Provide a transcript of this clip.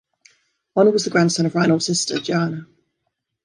Arnold was the grandson of Reinald's sister, Johanna.